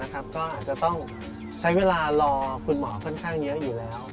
ก็อาจจะต้องใช้เวลารอคุณหมอค่อนข้างเยอะอยู่แล้ว